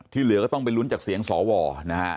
เหลือก็ต้องไปลุ้นจากเสียงสวนะฮะ